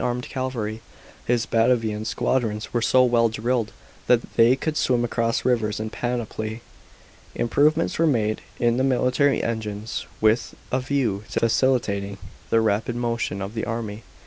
armed cavalry. His Batavian squadrons were so well drilled that they could swim across rivers in panoply.* Improvements were made in the military engines, with a view to facilitating the ra^id motion of the army.